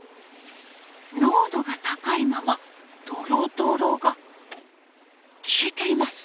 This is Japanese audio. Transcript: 濃度が高いままドロドロが消えています。